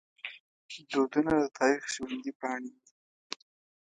دودونه د تاریخ ژوندي پاڼې دي.